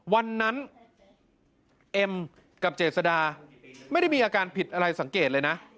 วันนั้นเอ็มกับเจษดาไม่ได้มีอาการผิดอะไรสังเกตเลยนะ